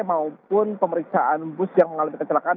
maupun pemeriksaan bus yang mengalami kecelakaan